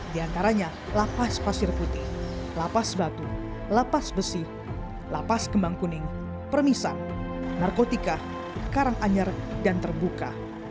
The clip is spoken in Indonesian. di antaranya lapas pasir putih lapas batu lapas besi lapas kembang kuning permisan narkotika karanganyar dan terbuka